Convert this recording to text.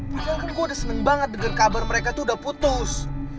padahal kan gue udah seneng banget denger kabar mereka tuh udah putus